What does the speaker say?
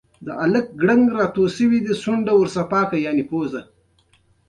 ازادي راډیو د کلتور حالت په ډاګه کړی.